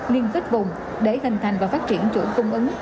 liên kết vùng để hình thành và phát triển chuỗi cung ứng